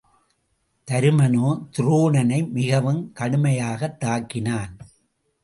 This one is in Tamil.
தருமனோ துரோணனை மிகவும் கடுமையாகத் தாக்கினான்.